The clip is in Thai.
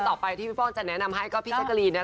ต่อไปที่พี่ป้องจะแนะนำให้อีกแล้วที่จักกะรีน